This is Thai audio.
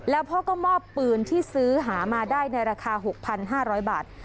แล้วพ่อก็มอบปืนที่ซื้อหามาได้ในราคา๖๕๐๐บาท